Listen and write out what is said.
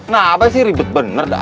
nah apa sih ribet bener dah